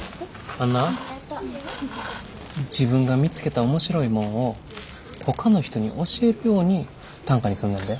あんな自分が見つけた面白いもんをほかの人に教えるように短歌にすんねんで。